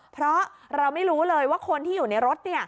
เพราะเราไม่รู้เลยว่าคนที่อยู่ในรถ